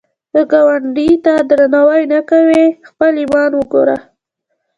که ګاونډي ته درناوی نه کوې، خپل ایمان وګوره